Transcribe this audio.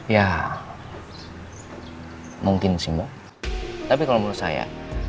ya mungkin sih mbak tapi kalau menurut saya